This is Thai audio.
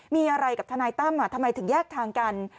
มีอะไรกับทนายตั้มทำไมถึงแยกทางกัน